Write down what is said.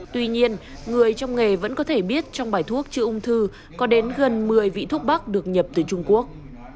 tuy nhiên người trong nghề vẫn có thể biết trong bài thuốc chữa ung thư có đến gần một mươi vị thuốc bắc được nhập từ trung quốc